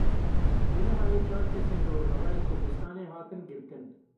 Li Rihayê çar kesên ji Rojavayê Kurdistanê hatin girtin.